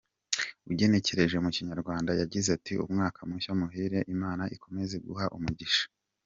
Ugenekereje mu Kinyarwanda yagize ati “Umwaka mushya muhire Imana ikomeze kuguha umugisha.